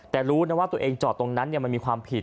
แต่รู้นะว่าตัวเองจอดตรงนั้นมันมีความผิด